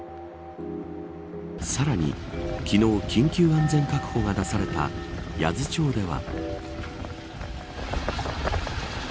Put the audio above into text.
さらに昨日緊急安全確保が出された八頭町では。